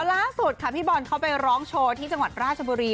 ล่าสุดค่ะพี่บอลเขาไปร้องโชว์ที่จังหวัดราชบุรี